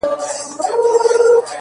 مجاهد د خداى لپاره دى لوېــدلى’